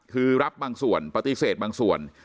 คือรับบางส่วนปฏิเสธบางส่วน